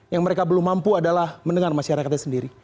yang mereka belum mampu adalah mendengar masyarakatnya sendiri